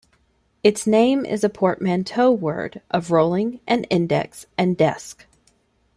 Its name is a portmanteau word of "rolling" and "index" and "desk".